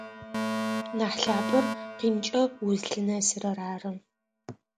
Нахь лъапӏэр къинкӏэ узлъынэсырэр ары.